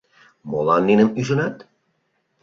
Молан ниным ӱжынат?